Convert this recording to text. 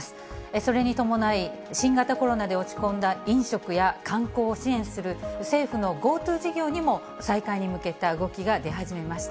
それに伴い、新型コロナで落ち込んだ飲食や観光を支援する政府のＧｏＴｏ事業にも、再開に向けた動きが出始めました。